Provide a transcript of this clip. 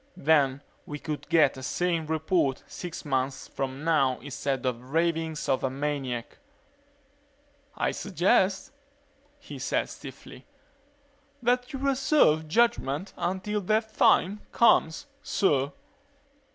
Then we could get a sane report six months from now instead of the ravings of a maniac." "I suggest," he said stiffly, "that you reserve judgement until that time comes, sir."